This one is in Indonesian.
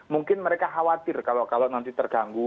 mungkin mereka khawatir kalau nanti terganggu